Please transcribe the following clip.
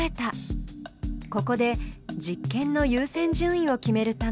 ここで実験の優先順位を決めるため比較をする。